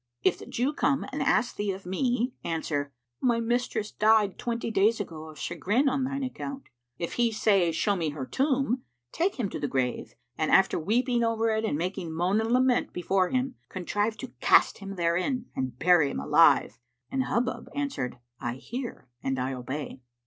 If the Jew come and ask thee of me, answer, 'My mistress died twenty days ago of chagrin on thine account.' If he say, show me her tomb, take him to the grave and after weeping over it and making moan and lament before him, contrive to cast him therein and bury him alive."[FN#373] And Hubub answered, "I hear and I obey."